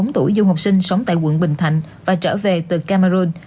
tuổi du học sinh sống tại quận bình thạnh và trở về từ cameroon